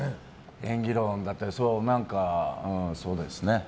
演技論だったり、そうですね。